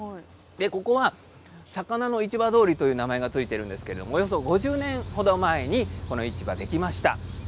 ここは魚の市場通りという名前が付いているんですけどおよそ５０年程前にこの市場ができました。